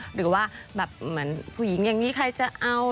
หรือว่าแบบเหมือนผู้หญิงอย่างนี้ใครจะเอา